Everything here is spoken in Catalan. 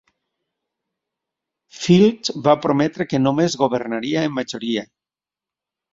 Field va prometre que només governaria en majoria.